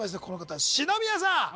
この方篠宮さん